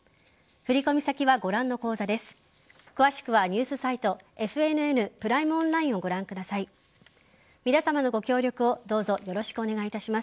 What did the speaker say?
振り込み先はご覧の口座です。